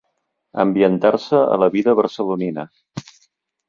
Ambientar-se a la vida barcelonina.